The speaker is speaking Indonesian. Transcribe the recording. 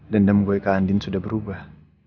dendam gue ke andin sudah berubah